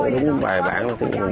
đúng bài bản